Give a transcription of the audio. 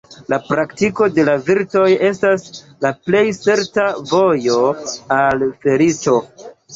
La praktiko de la virtoj estas la plej certa vojo al feliĉo.